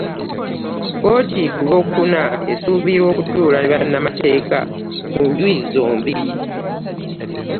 Kkooti ku Lwokuna esuubira okutuula ne bannamateeka ku njuyi zombi